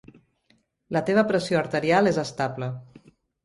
La teva pressió arterial és estable.